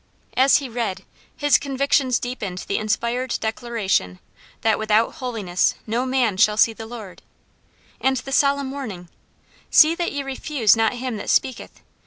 As he read, his convictions deepened the inspired declaration that "without holiness no man shall see the Lord," and the solemn warning, "See that ye refuse not him that speaketh.